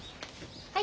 はい。